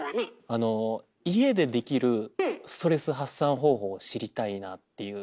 あの家でできるストレス発散方法を知りたいなっていう。